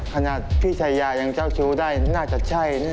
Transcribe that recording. ขนาดพี่ชายายังเจ้าชู้ได้น่าจะใช่